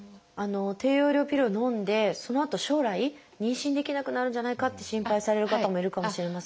低用量ピルをのんでそのあと将来妊娠できなくなるんじゃないかって心配される方もいるかもしれませんが。